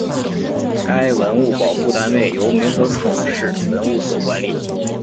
该文物保护单位由梅河口市文物所管理。